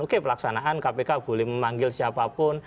oke pelaksanaan kpk boleh memanggil siapapun